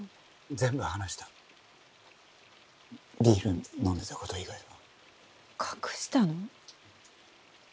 全部話したビール飲んでたこと以外は隠したの？